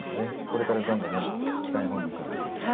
これからどんどんどんどん北日本に向かっていきます。